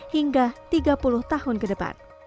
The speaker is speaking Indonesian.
hingga tiga puluh tahun ke depan